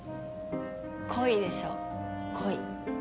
恋でしょ恋。